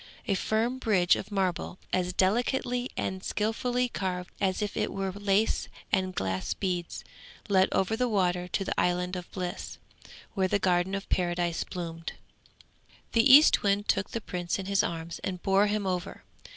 A firm bridge of marble, as delicately and skilfully carved as if it were lace and glass beads, led over the water to the Island of Bliss, where the Garden of Paradise bloomed. The Eastwind took the Prince in his arms and bore him over.